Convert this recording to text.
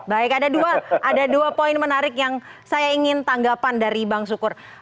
baik ada dua poin menarik yang saya ingin tanggapan dari bang sukur